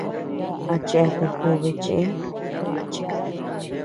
A cheatea jobe chëe.